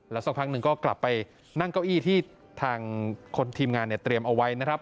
สักพักหนึ่งก็กลับไปนั่งเก้าอี้ที่ทางคนทีมงานเนี่ยเตรียมเอาไว้นะครับ